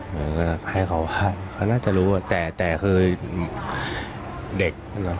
ก็ให้เขาว่าเขาน่าจะรู้แต่คือเด็ก